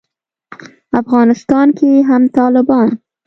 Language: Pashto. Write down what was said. افغانستان کې هم طالبان